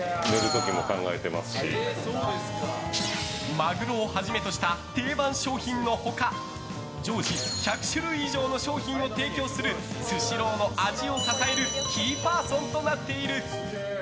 マグロをはじめとした定番商品の他常時１００種類以上の商品を提供するスシローの味を支えるキーパーソンとなっている。